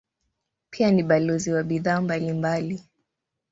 Pia ni balozi wa bidhaa mbalimbali.